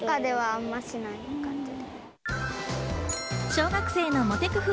小学生のモテ工夫